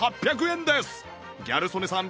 ギャル曽根さん